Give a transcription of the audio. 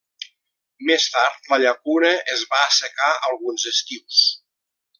Més tard la llacuna es va assecar alguns estius.